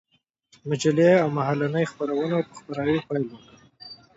مجلې او مهالنۍ خپرونو په خپراوي پيل وكړ.